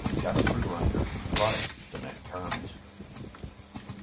JASPER GRINDER TRIES TO MAKE TERMS.